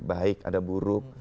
baik ada buruk